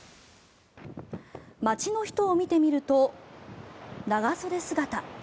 街の人を見てみると長袖姿。